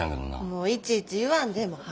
もういちいち言わんでええ。